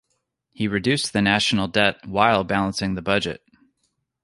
He reduced the national debt while balancing the budget.